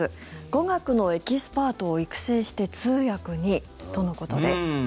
語学のエキスパートを育成して通訳にとのことです。